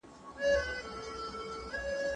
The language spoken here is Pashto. انا وویل چې دا زما د صبر ازموینه ده.